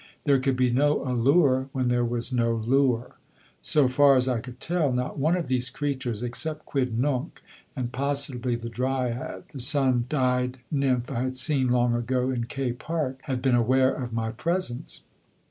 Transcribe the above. There could be no allure when there was no lure. So far as I could tell, not one of these creatures except Quidnunc, and possibly the Dryad, the sun dyed nymph I had seen long ago in K Park had been aware of my presence.